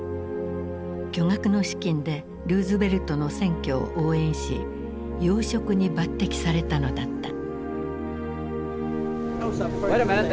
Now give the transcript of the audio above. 巨額の資金でルーズベルトの選挙を応援し要職に抜てきされたのだった。